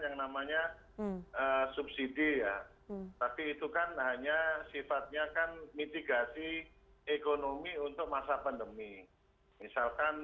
yang namanya subsidi ya tapi itu kan hanya sifatnya kan mitigasi ekonomi untuk masa pandemi misalkan